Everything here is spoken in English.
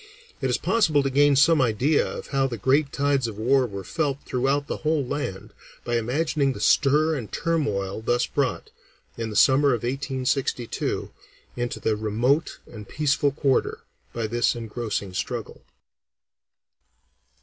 It is possible to gain some idea of how the great tides of war were felt throughout the whole land by imagining the stir and turmoil thus brought, in the summer of 1862, into this remote and peaceful quarter by the engrossing struggle.